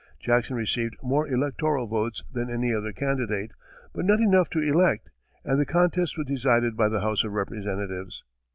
Jackson received more electoral votes than any other candidate, but not enough to elect, and the contest was decided by the House of Representatives.